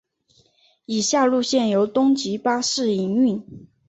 以下路线由东急巴士营运。